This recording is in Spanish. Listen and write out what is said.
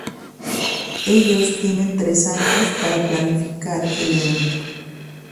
Ellos tienen tres años para planificar el evento.